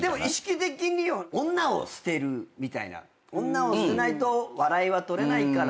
女を捨てないと笑いは取れないからって。